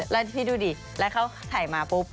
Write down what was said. แล้วพี่ดูดิแล้วเขาถ่ายมาปุ๊บ